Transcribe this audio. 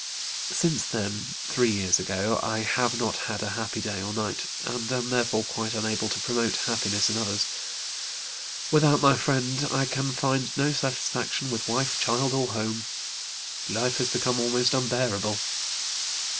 Since then, three years ago, I have not had a happy day or night, and am therefore quite unable to promote happiness in others. Without my friend, I can find no satisfaction with wife, child, or home. Life has become almost unbearable.